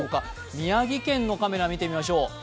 宮城県のカメラを見てみましょう。